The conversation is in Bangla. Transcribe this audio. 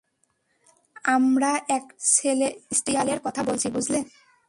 আমরা একটা সেলেস্টিয়ালের কথা বলছি, বুঝলে?